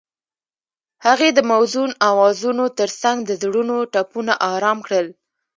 هغې د موزون اوازونو ترڅنګ د زړونو ټپونه آرام کړل.